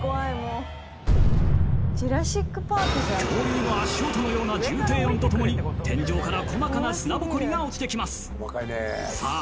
恐竜の足音のような重低音とともに天井から細かな砂ぼこりが落ちてきますさあ